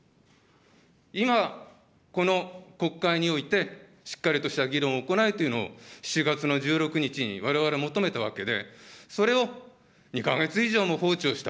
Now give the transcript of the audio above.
今、この国会において、しっかりとした議論を行えというのを、７月の１６日にわれわれ、求めたわけで、それを２か月以上も放置をした。